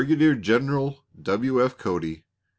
General W. F. Cody.